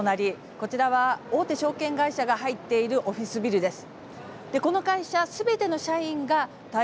こちらは大手証券会社が入っているオフィスビルです。